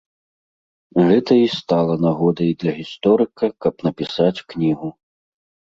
Гэта і стала нагодай для гісторыка, каб напісаць кнігу.